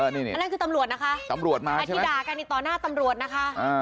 นั่นคือตำรวจนะคะนั่นที่ด่ากันตอนหน้าตำรวจนะคะตำรวจมาใช่ไหม